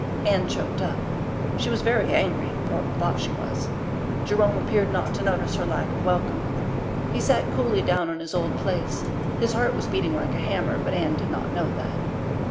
Anne choked up. She was very angry, or thought she was. Jerome appeared not to notice her lack of welcome. He sat coolly down in his old place. His heart was beating like a hammer, but Anne did not know that.